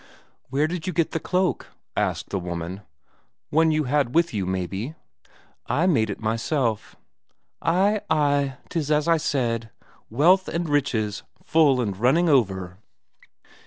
"Where did you get the cloak?" asked, the woman. "One you had with you, maybe?" "I made it myself." "Ay, ay, 'tis as I said: wealth and riches full and running over...."